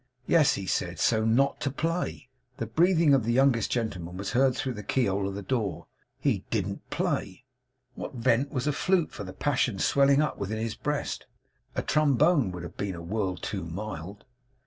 Yes; he said so; not to play. The breathing of the youngest gentleman was heard through the key hole of the door. He DIDN'T play. What vent was a flute for the passions swelling up within his breast? A trombone would have been a world too mild.